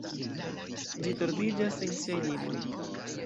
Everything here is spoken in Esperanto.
Ĝi tordiĝas en siaj limoj.